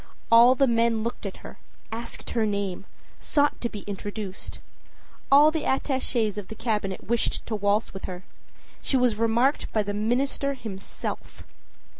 All the men looked at her, asked her name, sought to be introduced. All the attaches of the Cabinet wished to waltz with her. She was remarked by the minister himself.